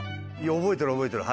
覚えてる覚えてる